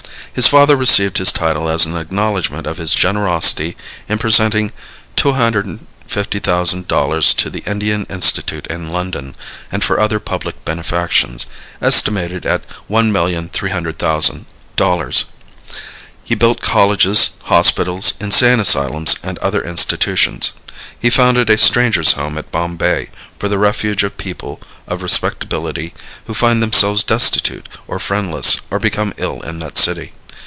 His father received his title as an acknowledgment of his generosity in presenting $250,000 to the Indian Institute in London, and for other public benefactions, estimated at $1,300,000. He built colleges, hospitals, insane asylums and other institutions. He founded a Strangers' Home at Bombay for the refuge of people of respectability who find themselves destitute or friendless or become ill in that city.